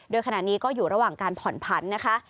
โดยขณะนี้ก็อยู่ระหว่างการผ่อนผันนะคะ